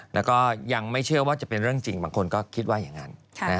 แล้วก็ยังไม่เชื่อว่าจะเป็นเรื่องจริงบางคนก็คิดว่าอย่างนั้น